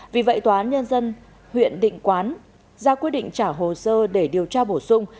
vì vậy tòa án nhân dân huyện định quán ra quyết định trả hồ sơ để điều tra bổ sung